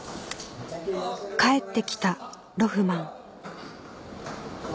帰ってきたロフマン